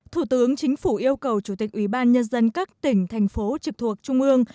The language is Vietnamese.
thủ tướng chính phủ yêu cầu chủ tịch ủy ban nhân dân các tỉnh thành phố trực thuộc trung ương